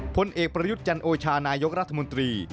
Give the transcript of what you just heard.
ผลเอกประยุทธ์จันโอชานายกรัฐมนตรี